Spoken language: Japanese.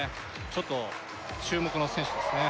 ちょっと注目の選手ですね